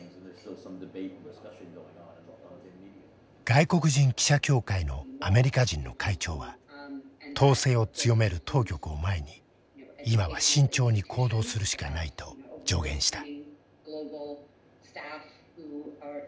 外国人記者協会のアメリカ人の会長は統制を強める当局を前に今は慎重に行動するしかないと助言した。